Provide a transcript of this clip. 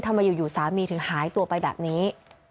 ทำไมอยู่สามีถึงหายตัวไปแบบนี้